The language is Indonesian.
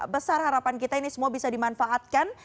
besar harapan kita ini semua bisa dimanfaatkan